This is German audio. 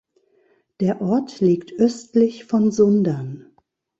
Der Ort liegt östlich von Sundern.